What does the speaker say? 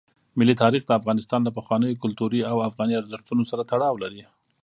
ملي تاریخ د افغانستان له پخوانیو کلتوري او افغاني ارزښتونو سره تړاو لري.